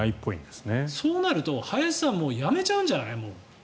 そうなると、林さんはもう辞めちゃうんじゃない？